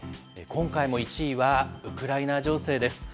今回も１位はウクライナ情勢です。